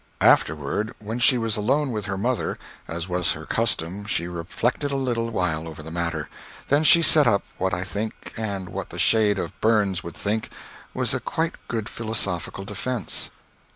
Afterward, when she was alone with her mother, as was her custom she reflected a little while over the matter. Then she set up what I think and what the shade of Burns would think was a quite good philosophical defence.